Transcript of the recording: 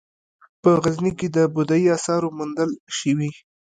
په غزني کې د بودايي اثار موندل شوي